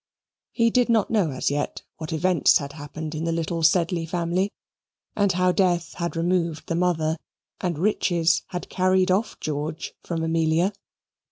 He did not know as yet what events had happened in the little Sedley family, and how death had removed the mother, and riches had carried off George from Amelia.